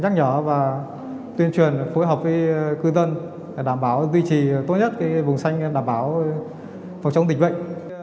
nhắc nhở và tuyên truyền phối hợp với cư dân để đảm bảo duy trì tốt nhất vùng xanh đảm bảo phòng chống dịch bệnh